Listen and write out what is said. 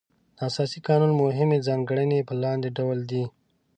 د اساسي قانون مهمې ځانګړنې په لاندې ډول دي.